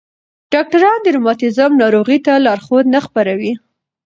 ډاکټران د روماتیزم ناروغۍ ته لارښود نه خپروي.